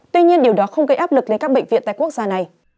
tuy nhiên điều đó không gây áp lực lên các bệnh viện tại quốc gia này